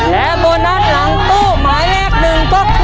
และโบนัสหลังตู้หมายเลขหนึ่งก็คือ